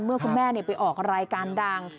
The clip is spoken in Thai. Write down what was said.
เมื่อคุณแม่ไปออกรายการดัง